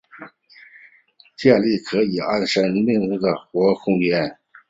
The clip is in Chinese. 建立可以安身立命的生活空间